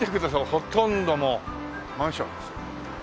ほとんどもうマンションです。